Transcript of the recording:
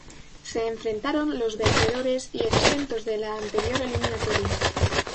Se enfrentaron los vencedores y exentos de la anterior eliminatoria.